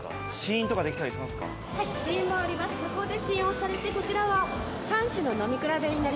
向こうで試飲をされてこちらは３種の飲み比べになります。